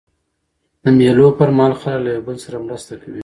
د مېلو پر مهال خلک له یو بل سره مرسته کوي.